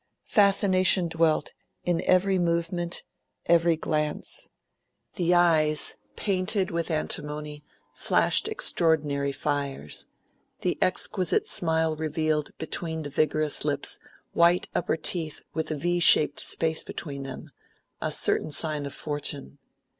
Fascination dwelt in every movement, every glance. The eyes, painted with antimony, flashed extraordinary fires; the exquisite smile revealed, beneath the vigorous lips, white upper teeth with a V shaped space between them the certain sign of fortune.